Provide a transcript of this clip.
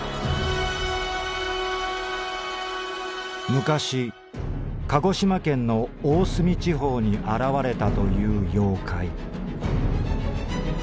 「昔鹿児島県の大隅地方に現れたという妖怪」。